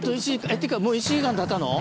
ってかもう１時間たったの？